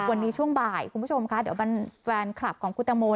วันนี้ช่วงบ่ายคุณผู้ชมค่ะเดี๋ยวแฟนคลับของคุณตังโม